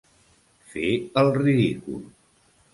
Fer el ridícul.